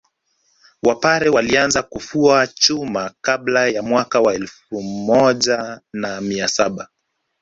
Wapare walianza kufua chuma kabla ya mwaka wa elfu moja na mia saba